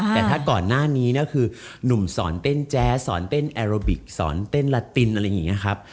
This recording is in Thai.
แต่ถ้าก่อนหน้านี้นะคือหนุ่มสอนเต้นแจ๊สสอนเต้นแอโรบิกสอนเต้นลาตินอะไรอย่างนี้ครับ